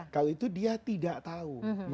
kalau itu dia tidak tahu